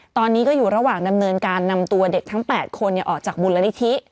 ตอนนี้ก็อยู่ระหว่างดำเนินการนำตัวเด็กทั้ง๘คนออกจากมูลนิธิ